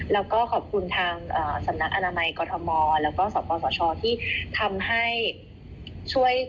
แล้วก็ขอบคุณทางสำนักอนามัยกรทมแล้วก็สปสชที่ทำให้ช่วย